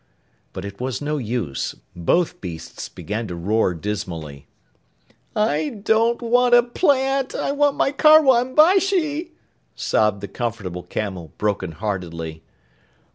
But it was no use. Both beasts began to roar dismally. "I don't want a plant. I want my Karwan Bashi," sobbed the Comfortable Camel broken heartedly.